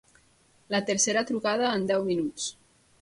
La tercera trucada en deu minuts.